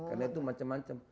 karena itu macam macam